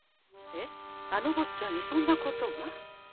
えっあのぼっちゃんにそんなことが？